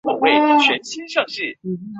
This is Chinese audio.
目前该杂志在中国和日本同时印刷发行。